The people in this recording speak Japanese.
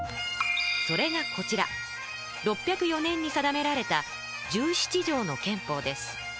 それがこちら６０４年に定められた「十七条の憲法」です。